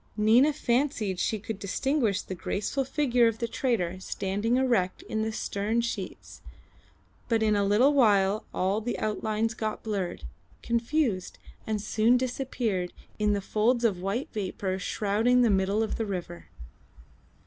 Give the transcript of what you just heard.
Nina fancied she could distinguish the graceful figure of the trader standing erect in the stern sheets, but in a little while all the outlines got blurred, confused, and soon disappeared in the folds of white vapour shrouding the middle of the river.